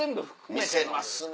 見せますね。